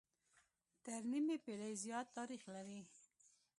تر نيمې پېړۍ زيات تاريخ لري